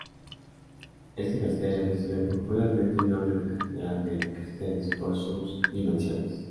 Este "castell" recibe popularmente el nombre de "Catedral dels castells" por sus dimensiones.